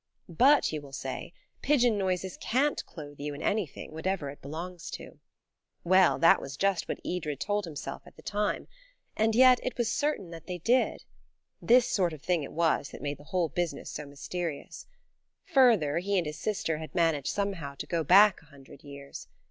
But, you will say, pigeon noises can't clothe you in anything, whatever it belongs to. Well, that was just what Edred told himself at the time. And yet it was certain that they did. This sort of thing it was that made the whole business so mysterious. Further, he and his sister had managed somehow to go back a hundred years.